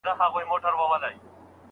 د حمل پر تاخير هم اتفاق حرام دی.